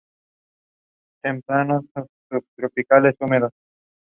Three of these interventions are of note.